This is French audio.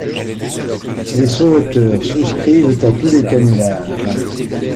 Les sauveteurs souscrivent à tous les canulars.